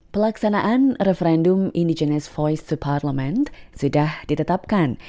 pelaksanaan referendum indigenous voice to parliament sudah ditetapkan